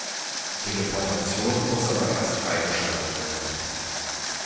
Teleportation muss aber erst freigeschaltet werden.